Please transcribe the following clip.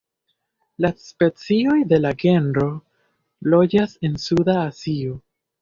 La specioj de la genro loĝas en Suda Azio.